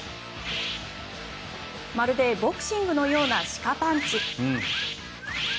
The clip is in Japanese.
まるでボクシングのような鹿パンチ。